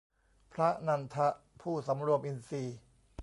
พระนันทะ ผู้สำรวมอินทรีย์